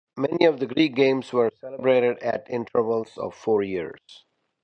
Many of the Greek games were celebrated at intervals of four years.